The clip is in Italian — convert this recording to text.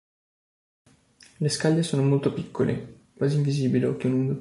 Le scaglie sono molto piccole, quasi invisibili a occhio nudo.